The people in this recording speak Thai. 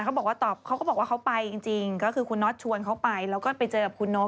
เขาก็บอกว่าเขาไปจริงก็คือคุณน๊อตชวนเขาไปแล้วก็ไปเจอกับคุณน้อง